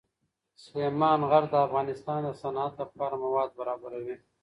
سلیمان غر د افغانستان د صنعت لپاره مواد برابروي.